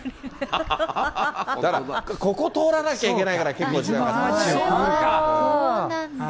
だから、ここ通らなきゃいけないから、結構時間かかってたんそうか。